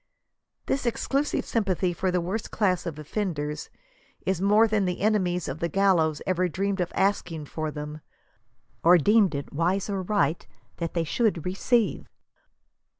This exclusive sympathy for the worst class of offenders is more than the ene mies of the gallows ever dreamed of asking for them, or deemed it wi&e or right that they should receive.